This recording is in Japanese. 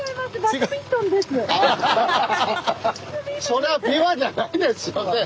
それは琵琶じゃないですよね。